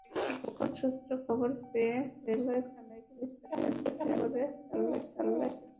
গোপন সূত্রে খবর পেয়ে রেলওয়ে থানার পুলিশ তাঁকে আটক করে তল্লাশি চালায়।